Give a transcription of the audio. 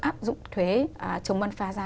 áp dụng thuế chống mân pha giá